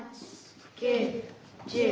９１０。